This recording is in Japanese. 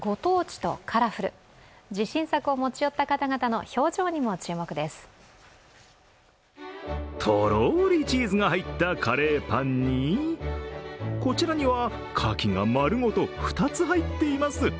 とろりチーズが入ったカレーパンに、こちらにはカキが丸ごと２つ入っています。